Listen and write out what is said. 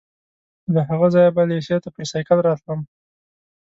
له هغه ځایه به لېسې ته پر سایکل راتلم.